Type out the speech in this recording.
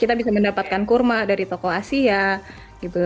kita bisa mendapatkan kurma dari toko asia gitu